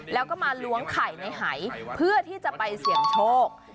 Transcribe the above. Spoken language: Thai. แล้วก็มาล้วงไข่ในหายเพื่อที่จะไปเสี่ยงโชค